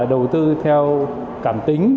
đầu tư theo cảm tính